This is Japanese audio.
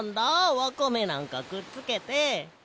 わかめなんかくっつけて。